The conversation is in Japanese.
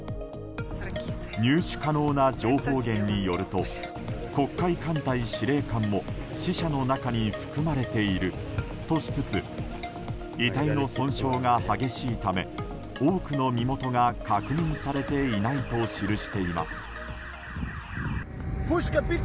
入手可能な情報源によると黒海艦隊司令官も死者の中に含まれているとしつつ遺体の損傷が激しいため多くの身元が確認されていないと記しています。